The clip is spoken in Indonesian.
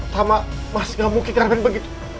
tama mas gak mungkin mengharapkan begitu